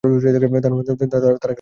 তারা কি দখলদার সৈনিক?